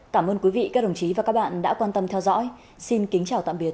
cảm ơn quý vị các đồng chí và các bạn đã quan tâm theo dõi xin kính chào tạm biệt